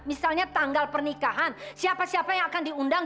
misalnya tanggal pernikahan siapa siapa yang akan diundang